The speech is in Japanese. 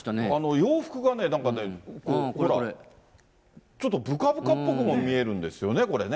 洋服がね、なんかね、これ、ちょっとぶかぶかっぽくも見えるんですよね、これね。